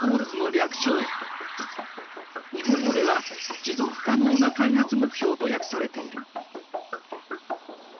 日本語では持続可能な開発目標と訳されている。